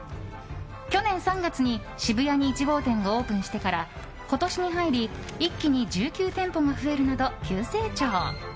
去年３月に渋谷に１号店がオープンしてから今年に入り、一気に１９店舗が増えるなど急成長。